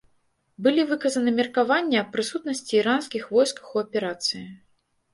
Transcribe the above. Былі выказаны меркаванні аб прысутнасці іранскіх войскаў у аперацыі.